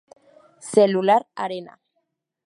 Cellular Arena.